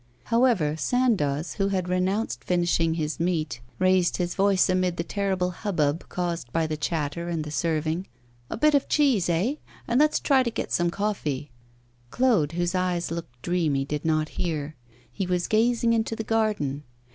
However, Sandoz, who had renounced finishing his meat, raised his voice amid the terrible hubbub caused by the chatter and the serving: 'A bit of cheese, eh? And let's try to get some coffee.' Claude, whose eyes looked dreamy, did not hear. He was gazing into the garden.